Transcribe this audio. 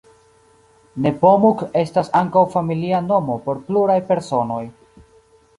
Nepomuk estas ankaŭ familia nomo por pluraj personoj.